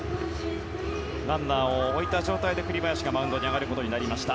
ランナーを置いた状態で栗林がマウンドに上がることになりました。